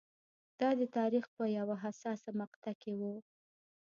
دا د تاریخ په یوه حساسه مقطعه کې و.